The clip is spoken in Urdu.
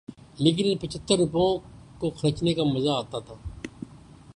لیکن ان پچھتر روپوں کو خرچنے کا مزہ آتا تھا۔